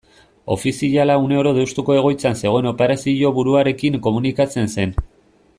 Ofiziala une oro Deustuko egoitzan zegoen operazioburuarekin komunikatzen zen.